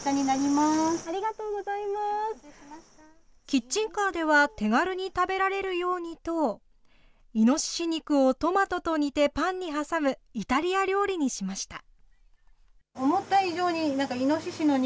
キッチンカーでは、手軽に食べられるようにと、イノシシ肉をトマトと煮てパンに挟むイタリア料理にしました。